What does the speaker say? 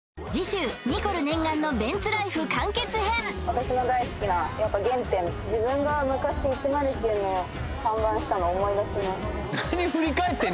私の大好きなやっぱ原点自分が昔１０９の看板したの思い出します